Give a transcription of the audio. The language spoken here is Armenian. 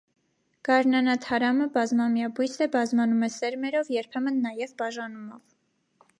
Գարնանաթարամը բազմամյա բույս է, բազմանում է սերմերով, երբեմն նաև բաժանումով։